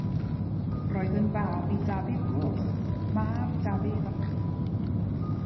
Roedd yn fab i Dafydd Goch, mab Dafydd ap Gruffudd.